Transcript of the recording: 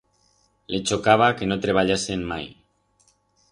Le chocaba que no treballasen mai.